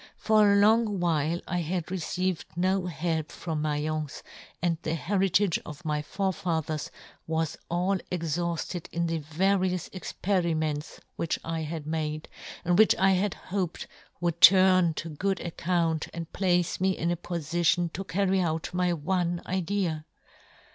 " For a long while I had received no " help from Mai'ence, and the heritage " of my forefathers was all exhaufted " in the various experiments which I " had made, and which I had hoped " would turn to good account and " place me in a pofition to carry out " my one idea.